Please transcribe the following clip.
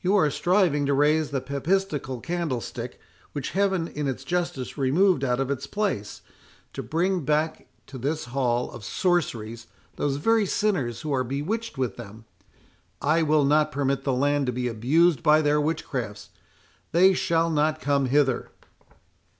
You are striving to raise the papistical candlestick which Heaven in its justice removed out of its place—to bring back to this hall of sorceries those very sinners who are bewitched with them. I will not permit the land to be abused by their witchcrafts.—They shall not come hither."